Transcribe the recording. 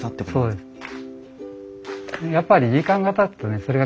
そうです。